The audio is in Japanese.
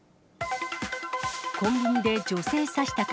コンビニで女性刺したか。